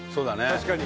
確かに。